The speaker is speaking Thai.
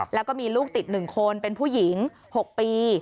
แล้วก็มีลูกติด๑คนเป็นผู้หญิง๖ปี